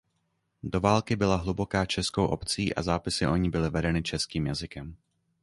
Do války byla Hluboká českou obcí a zápisy o ní byly vedeny českým jazykem.